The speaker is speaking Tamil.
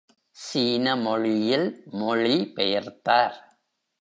சீன மொழியில் மொழி பெயர்த்தார்.